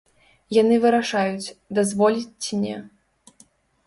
Яны вырашаюць, дазволіць ці не.